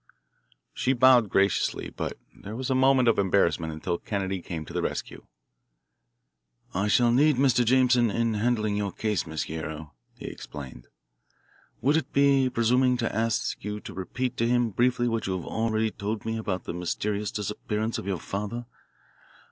She bowed graciously, but there was a moment of embarrassment until Kennedy came to the rescue. "I shall need Mr. Jameson in handling your case, Miss Guerrero," he explained. "Would it be presuming to ask you to repeat to him briefly what you have already told me about the mysterious disappearance of your father?